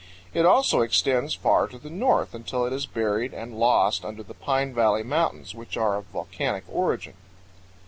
It also extends far to the north, until it is buried and lost under the Pine Valley Mountains, which are of volcanic origin.